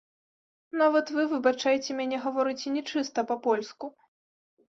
Нават вы, выбачайце мяне, гаворыце не чыста па-польску.